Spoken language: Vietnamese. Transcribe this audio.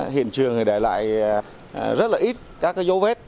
hiện trường để lại rất là ít các dấu vết